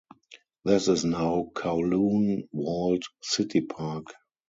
This is now Kowloon Walled City Park.